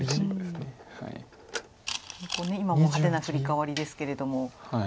今も派手なフリカワリですけれども。